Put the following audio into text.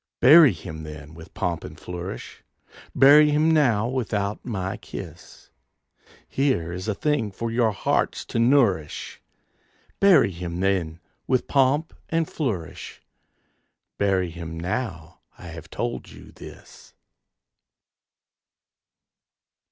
Bury him then with pomp and flourish! Bury him now without my kiss! Here is a thing for your hearts to nourish, Bury him then with pomp and flourish! Bury him now I have told you this.